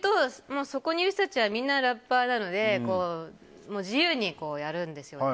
そこにいる人たちはみんなラッパーなので自由にやるんですよ。